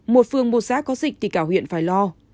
một phường một xã có dịch thì cả huyện phải lo